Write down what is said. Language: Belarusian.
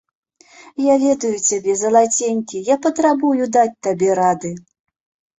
Я ведаю цябе, залаценькі, я патрабую даць табе рады.